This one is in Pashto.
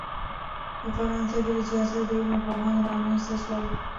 په فرانسه کښي دسیاست د علم پوهان رامنځ ته سول.